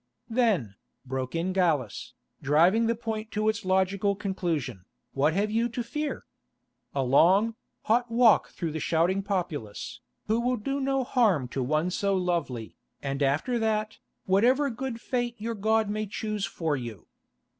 "Then," broke in Gallus, driving the point to its logical conclusion, "what have you to fear? A long, hot walk through the shouting populace, who will do no harm to one so lovely, and after that, whatever good fate your God may choose for you.